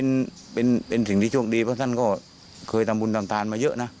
มันก็เป็นสิ่งที่ช่วงดีเพราะท่านเคยทำบุญต่างมาเยอะนะ